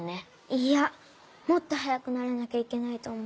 いやもっと早くならなきゃいけないと思う。